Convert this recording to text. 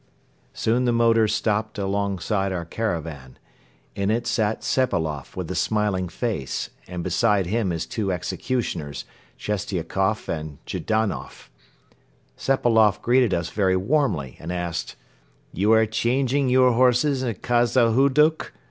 Soon the motor stopped alongside our caravan. In it sat Sepailoff with a smiling face and beside him his two executioners, Chestiakoff and Jdanoff. Sepailoff greeted us very warmly and asked: "You are changing your horses in Khazahuduk?